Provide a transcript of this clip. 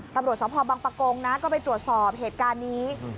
รับบริษัทพอร์บางปะโกงก็ไปตรวจสอบเหตุการณ์นี้